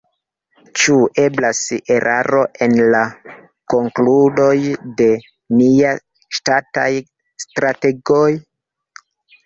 Ĉu eblas eraro en la konkludoj de niaj ŝtataj strategoj?